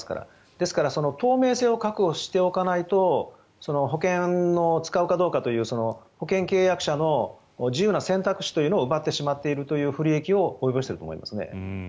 ですから透明性を確保しておかないと保険の使うかどうかという保険契約者の自由な選択肢というのを奪ってしまっているという不利益を及ぼしていると思いますね。